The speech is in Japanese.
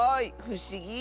ふしぎ！